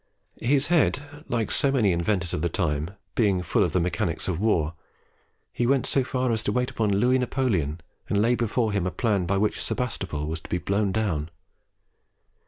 His head, like many inventors of the time, being full of the mechanics of war, he went so far as to wait upon Louis Napoleon, and laid before him a plan by which Sebastopol was to be blown down.